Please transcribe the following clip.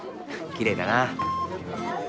きれいだな。